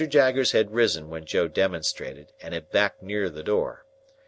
Jaggers had risen when Joe demonstrated, and had backed near the door.